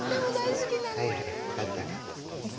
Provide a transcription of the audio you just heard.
はいはい分かった分かった。